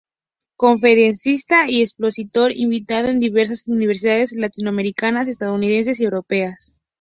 Conferencista y expositor invitado en diversas universidades latinoamericanas, estadounidenses y europeas.